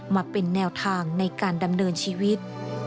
มาเป็นแนวทางในการดำเนินชีวิต